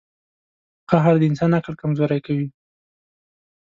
• قهر د انسان عقل کمزوری کوي.